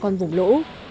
còn vùng lũ